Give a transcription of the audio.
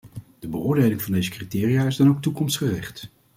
De beoordeling van deze criteria is dan ook toekomstgericht.